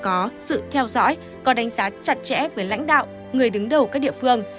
có sự theo dõi có đánh giá chặt chẽ với lãnh đạo người đứng đầu các địa phương